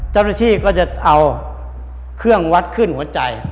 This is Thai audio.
เจ้าหน้าที่ก็จะเอาเครื่องวัดขึ้นหัวใจ